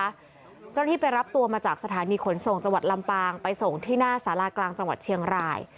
เจ้าหน้าที่ไปรับตัวมาจากสถานีขนส่งจังหวัดลำปางไปส่งที่หน้าสารากลางจังหวัดเชียงราย